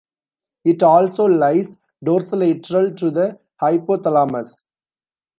It also lies dorsolateral to the hypothalamus.